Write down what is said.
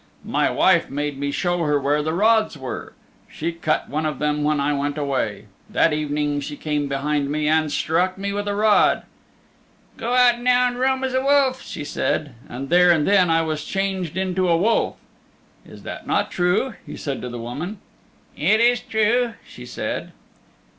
"My wife made me show her where the rods were. She cut one of them when I went away. That evening she came behind me and struck me with a rod. 'Go out now and roam as a wolf,' she said, and there and then I was changed into a wolf. 'Is that not true?'" said he to the woman. "It is true," she said.